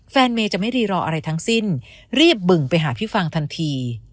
เมย์จะไม่รีรออะไรทั้งสิ้นรีบบึงไปหาพี่ฟังทันที